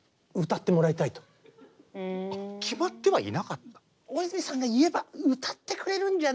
決まってはいなかった？